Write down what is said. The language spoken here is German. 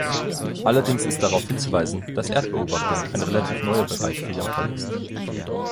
Allerdings ist darauf hinzuweisen, dass Erdbeobachtung ein relativ neuer Bereich für Japan ist.